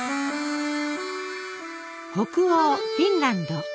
北欧フィンランド。